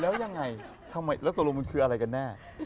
แล้วยังไงแล้วสรุปมันคืออะไรกันแน่